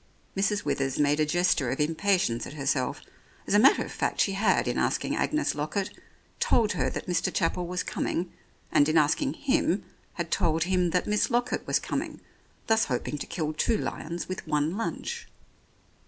Mrs. Withers made a gesture of impatience at herself. As a matter of fact she had, in asking Agnes Lockett, told her that Mr. Chapel was coming, and in asking him, had told him that Miss Lockett was coming, thus hoping to kill two lions with one lunch.